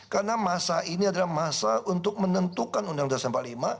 karena masa ini adalah masa untuk menentukan undang undang dasar seribu empat puluh lima